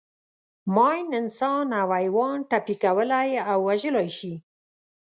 ماین انسان او حیوان ټپي کولای او وژلای شي.